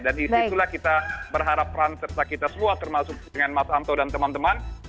dan disitulah kita berharap peran serta kita semua termasuk dengan mas anto dan teman teman